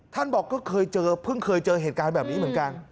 บอกก็เคยเจอเพิ่งเคยเจอเหตุการณ์แบบนี้เหมือนกัน